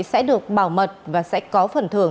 sẽ được bảo mật và sẽ có phần thưởng